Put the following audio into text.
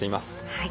はい。